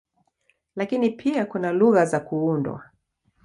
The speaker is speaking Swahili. Lakini pia kuna lugha za kuundwa.